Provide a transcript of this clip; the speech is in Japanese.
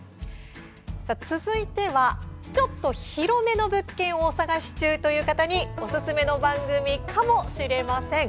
続いては、ちょっと広めの物件をお探し中という方におすすめの番組かもしれません。